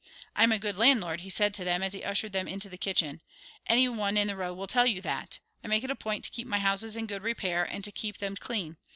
"I'm a good landlord," he said to them, as he ushered them into the kitchen. "Any one in the row will tell you that. I make it a point to keep my houses in good repair and to keep them clean.